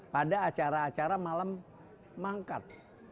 pada acara acara malam mangkat